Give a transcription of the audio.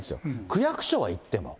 区役所は行っても。